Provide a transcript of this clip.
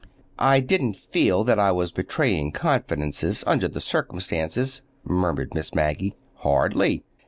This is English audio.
"I didn't feel that I was betraying confidences—under the circumstances," murmured Miss Maggie. "Hardly!"